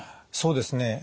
そうですね。